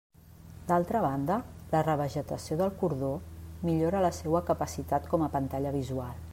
D'altra banda, la revegetació del cordó millora la seua capacitat com a pantalla visual.